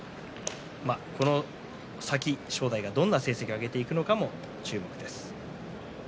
この先、正代がどんな成績を挙げていくのかも注目です。